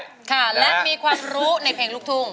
ค่ะและมีความรู้ในเพลงลูกทุ่ง